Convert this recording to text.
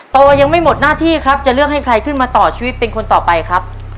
โตยังไม่หมดหน้าที่ครับจะเลือกให้ใครขึ้นมาต่อชีวิตเป็นคนต่อไปครับ